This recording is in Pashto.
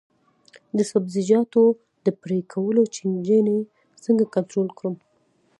د سبزیجاتو د پرې کولو چینجي څنګه کنټرول کړم؟